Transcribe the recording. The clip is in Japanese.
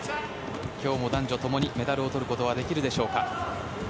今日も男女共にメダルをとることはできるでしょうか。